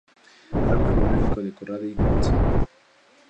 Árbol genealógico de Corradi-Gonzaga